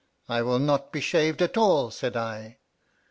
I will not be shaved at all, said I.